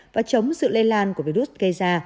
và chống sự lây lan của virus gây ra